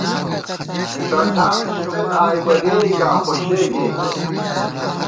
نِݭن ٹھانہ شِمېت آئی بہ ڈېئکا خوشےکېئیکہ